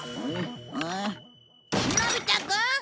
のび太くん！